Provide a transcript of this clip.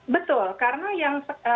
betul karena yang